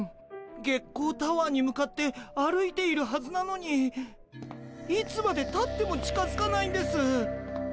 月光タワーに向かって歩いているはずなのにいつまでたっても近づかないんです。